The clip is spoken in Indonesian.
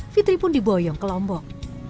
fitri pun diboyong ke lombok